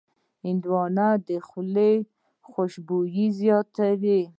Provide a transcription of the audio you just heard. هندوانه د خولې خوشبويي زیاتوي.